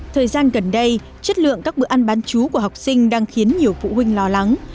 thời gian gần đây chất lượng các bữa ăn bán chú của học sinh đang khiến nhiều phụ huynh lo lắng